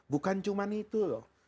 bukan cuma itu loh